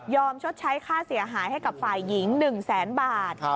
ชดใช้ค่าเสียหายให้กับฝ่ายหญิง๑แสนบาท